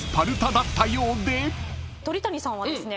鳥谷さんはですね